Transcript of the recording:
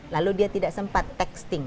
lalu dia tidak sempat texting